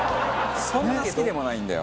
そんな好きでもないんだよ。